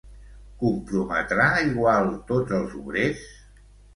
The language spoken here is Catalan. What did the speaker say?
Comprometrà igual tots els obrers?